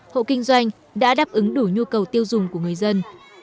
hộ kinh doanh đã đáp ứng đủ nhu cầu tiêu dùng của người dân